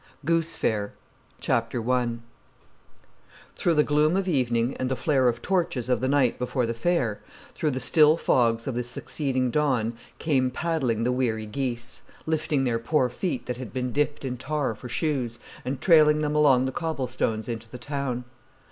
Goose Fair I Through the gloom of evening, and the flare of torches of the night before the fair, through the still fogs of the succeeding dawn came paddling the weary geese, lifting their poor feet that had been dipped in tar for shoes, and trailing them along the cobble stones into the town.